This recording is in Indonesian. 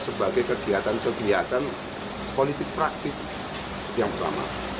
sebagai kegiatan kegiatan politik praktis yang pertama